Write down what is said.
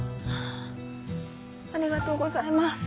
ありがとうございます。